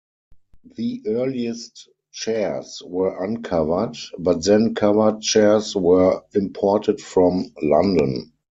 The earliest chairs were uncovered, but then covered chairs were imported from London.